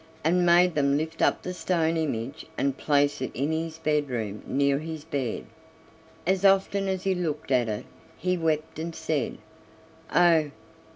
and made them lift up the stone image and place it in his bedroom near his bed. As often as he looked at it he wept and said: "Oh!